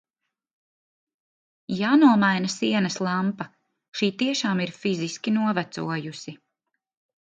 Jānomaina sienas lampa, šī tiešām ir fiziski novecojusi.